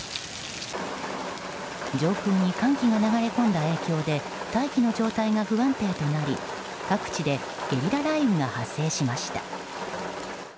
上空に寒気が流れ込んだ影響で大気の状態が不安定になり各地でゲリラ雷雨が発生しました。